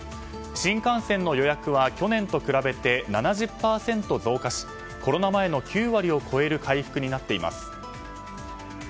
新幹線の予約は去年と比べて７０％増加しコロナ前の９割を超える回復になっています。